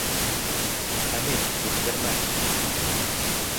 Хәмит, үткәрмә!